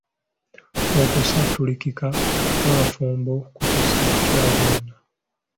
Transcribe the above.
Okusattulikuka kw'abafumbo kukosa kutya baana?